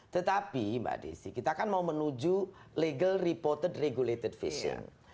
tetapi mbak desi kita kan mau menuju legal reported regulated fishion